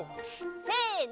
せの！